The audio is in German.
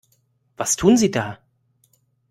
Was tun Sie da?